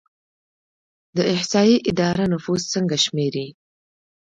د احصایې اداره نفوس څنګه شمیري؟